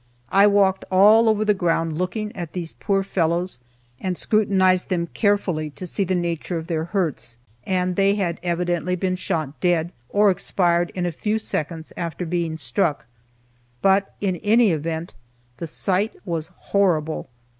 I walked all over the ground looking at these poor fellows, and scrutinized them carefully to see the nature of their hurts and they had evidently been shot dead, or expired in a few seconds after being struck. But, in any event, the sight was horrible.